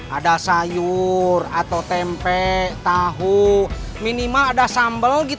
ada sayur atau tempe tahu minimal ada sambal